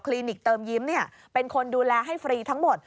ลินิกเติมยิ้มเป็นคนดูแลให้ฟรีทั้งหมด